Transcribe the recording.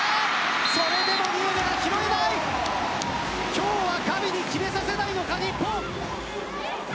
今日はガビに決めさせないのか日本。